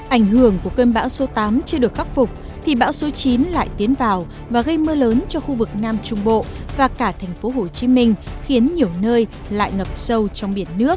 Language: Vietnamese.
ảnh hưởng của cơn bão số tám chưa được khắc phục thì bão số chín lại tiến vào và gây mưa lớn cho khu vực nam trung bộ và cả thành phố hồ chí minh khiến nhiều nơi lại ngập sâu trong biển nước